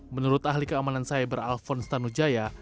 menurut ahli keamanan cyber alphonse tanujaya